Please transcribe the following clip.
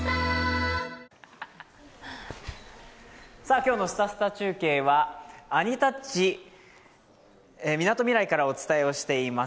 今日の「すたすた中継」はアニタッチみなとみらいからお伝えをしています。